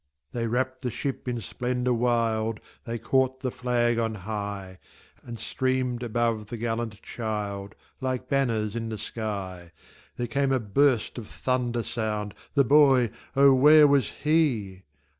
They wrapt the ship in splendour wild, They caught the flag on high, And streamed above the gallant child Like banners in the sky. Then came a burst of thunder sound The boy oh! where was he?